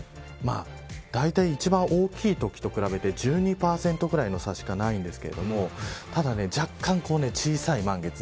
だいたい一番大きいときと比べて１２％ぐらいの差しかないんですけどただ、若干小さい満月。